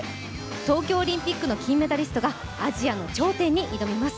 東京オリンピックの金メダリストがアジアの頂点に挑みます。